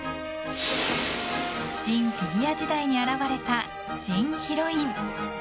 シン・フィギュア時代に現れたシン・ヒロイン。